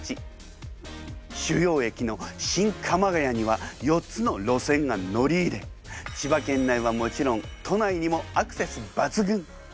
主要駅の新鎌ケ谷には４つの路線が乗り入れ千葉県内はもちろん都内にもアクセス抜群。